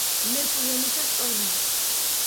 ლეკვი ლომისა სწორია